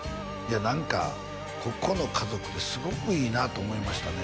何かここの家族ってすごくいいなと思いましたね